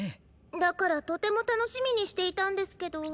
だからとてもたのしみにしていたんですけど。